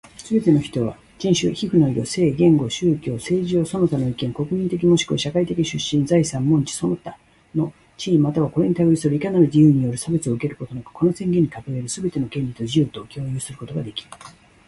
すべて人は、人種、皮膚の色、性、言語、宗教、政治上その他の意見、国民的若しくは社会的出身、財産、門地その他の地位又はこれに類するいかなる事由による差別をも受けることなく、この宣言に掲げるすべての権利と自由とを享有することができる。